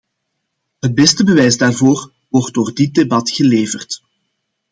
Het beste bewijs daarvoor wordt door dit debat geleverd.